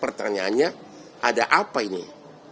pertanyaannya ada apa ini pertanyaannya ada apa ini